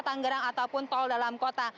tanggerang ataupun tol dalam kota